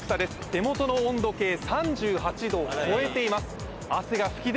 手元の温度計３８℃を超えています